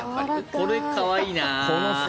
これ可愛いな。